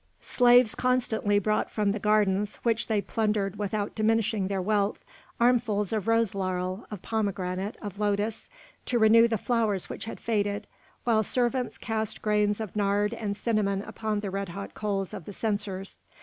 Slaves constantly brought from the gardens, which they plundered without diminishing their wealth, armfuls of rose laurel, of pomegranate, of lotus, to renew the flowers which had faded, while servants cast grains of nard and cinnamon upon the red hot coals of the censers.